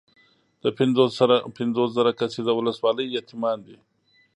د پنځوس زره کسیزه ولسوالۍ یتیمان دي.